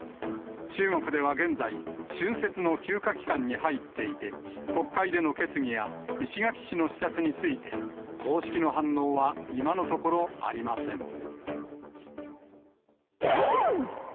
中国では現在、春節の休暇期間に入っていて、国会での決議や石垣市の視察について公式の反応はいまのところ、ありません。